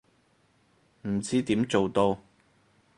唔知點做到